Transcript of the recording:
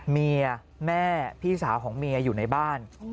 เมียแม่พี่สาวของเมียอยู่ในบ้าน